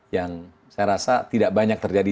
yang saya rasa tidak banyak terjadi